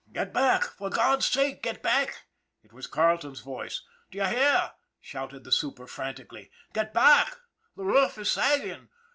" Get back, for God's sake, get back!" it was Carleton's voice. "Do you hear!" shouted the super frantically. " Get back ! The roof is sagging